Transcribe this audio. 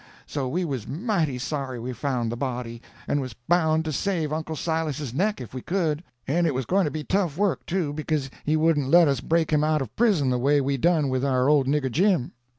So we was mighty sorry we found the body, and was bound to save Uncle Silas's neck if we could; and it was going to be tough work, too, because he wouldn't let us break him out of prison the way we done with our old nigger Jim.